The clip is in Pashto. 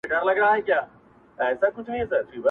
• انساني احساسات زخمي کيږي سخت..